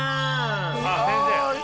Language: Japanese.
あっ先生。